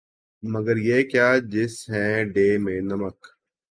مگر یہ کیا جیس ہی ڈے میں نمک